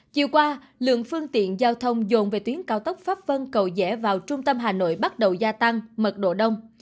chiều qua lượng phương tiện giao thông dồn về tuyến cao tốc pháp vân cầu rẽ vào trung tâm hà nội bắt đầu gia tăng mật độ đông